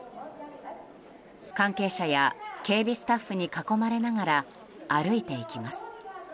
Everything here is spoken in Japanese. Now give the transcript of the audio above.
関係者や警備スタッフに囲まれながら歩いていきます。